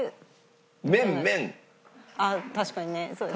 「確かにね」。